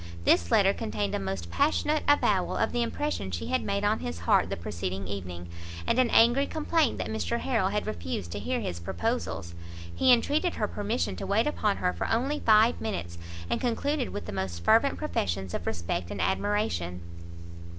This letter contained a most passionate avowal of the impression she had made on his heart the preceding evening, and an angry complaint that Mr Harrel had refused to hear his proposals. He entreated her permission to wait upon her for only five minutes, and concluded with the most fervent professions of respect and admiration.